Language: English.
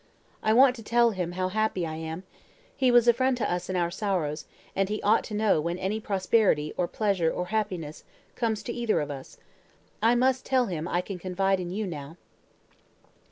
I want to tell him how happy I am: he was a friend to us in our sorrows, and he ought to know when any prosperity, or pleasure, or happiness, comes to either of us. I must tell him I can confide in you now."